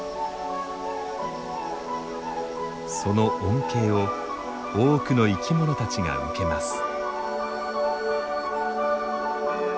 その恩恵を多くの生き物たちが受けます。